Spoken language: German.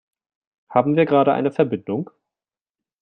Haben wir gerade eine Verbindung?